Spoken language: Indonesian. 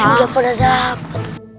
yang lain juga udah dapet